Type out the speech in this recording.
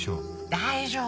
大丈夫！